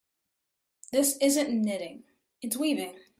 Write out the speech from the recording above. This isn't knitting, its weaving.